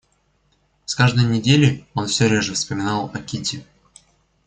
С каждою неделей он всё реже вспоминал о Кити.